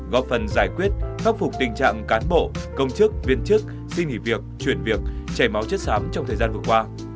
góp phần giải quyết khắc phục tình trạng cán bộ công chức viên chức xin nghỉ việc chuyển việc chảy máu chất xám trong thời gian vừa qua